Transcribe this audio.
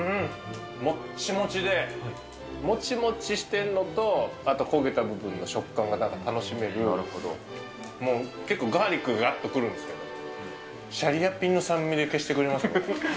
もっちもちで、もちもちしてるのと、あとこげた部分の食感が楽しめる、もう結構ガーリックががっとくるんですけど、シャリアピンの酸味で消してくれましたね。